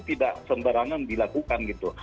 tidak sembarangan dilakukan gitu